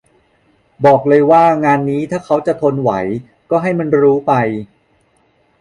บอกเลยว่างานนี้ถ้าเขาจะทนไหวก็ให้มันรู้ไป